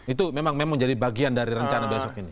itu memang menjadi bagian dari rencana besok ini